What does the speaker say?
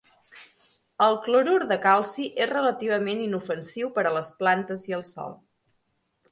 El clorur de calci és relativament inofensiu per a les plantes i el sòl.